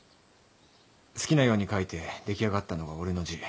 好きなように書いて出来上がったのが俺の字。